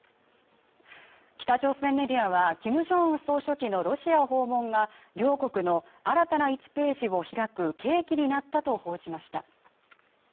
北朝鮮メディアはキム・ジョンウン総書記のロシア訪問が両国の新たな１ページを開く契機になったと報じました